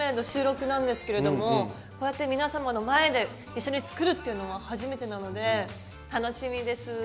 収録なんですけれどもこうやって皆様の前で一緒に作るっていうのは初めてなので楽しみです。